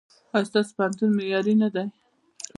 ایا ستاسو پوهنتون معیاري نه دی؟